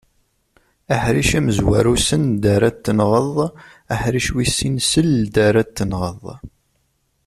Aḥric amezwaru send ara t-tenɣeḍ, aḥric wis sin seld ara t-tenɣeḍ.